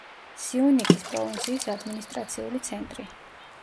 სიუნიქის პროვინციის ადმინისტრაციული ცენტრი.